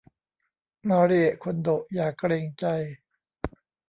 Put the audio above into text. มาริเอะคนโดะอย่าเกรงใจ